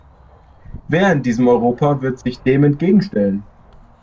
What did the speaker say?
Wer in diesem Europa wird sich dem entgegenstellen?